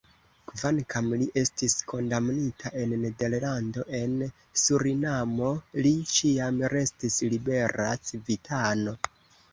Kvankam li estis kondamnita en Nederlando, en Surinamo li ĉiam restis libera civitano.